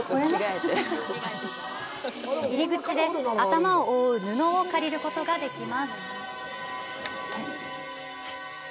入口で頭を覆う布を借りることができます。